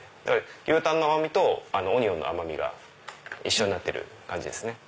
牛タンの甘みとオニオンの甘みが一緒になってる感じですね。